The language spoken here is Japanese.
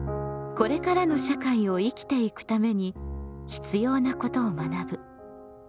これからの社会を生きていくために必要なことを学ぶ「公共」。